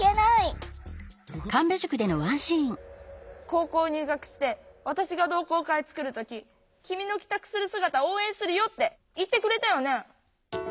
高校入学して私が同好会作る時君の帰宅する姿応援するよって言ってくれたよね？